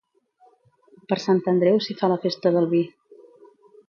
Per Sant Andreu s'hi fa la festa del vi.